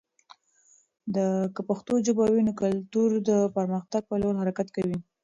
که پښتو ژبه وي، نو کلتور د پرمختګ په لور حرکت کوي.